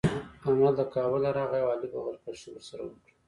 احمد له کابله راغی او علي بغل کښي ورسره وکړه.